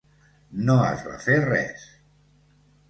No es va fer res.